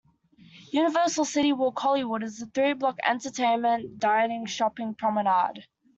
Universal CityWalk Hollywood is a three-block entertainment, dining, shopping promenade.